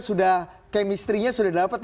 sudah kemisterinya sudah dapat